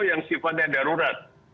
yang sifatnya darurat